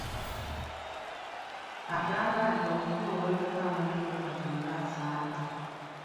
Agamba nti omukulu w’ekika amanyiddwa kati nga Nsamba.